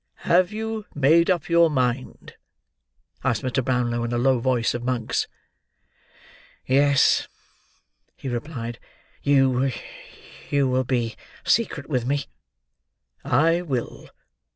"Have you made up your mind?" asked Mr. Brownlow, in a low voice, of Monks. "Yes," he replied. "You—you—will be secret with me?" "I will.